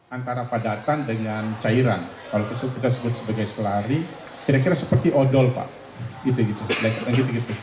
antara padatan dengan cairan kalau kita sebut sebagai selari kira kira seperti odol pak